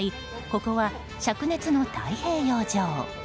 ここは灼熱の太平洋上。